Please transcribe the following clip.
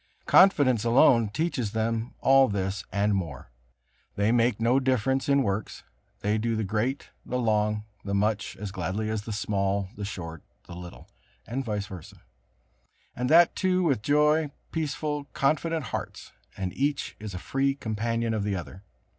Confidence alone teaches them all this, and more. They make no difference in works: they do the great, the long, the much, as gladly as the small, the short, the little, and vice versa; and that too with joyful, peaceful, confident hearts, and each is a free companion of the other.